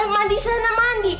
mandi sana mandi